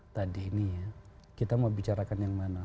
tadi ini ya kita mau bicarakan yang mana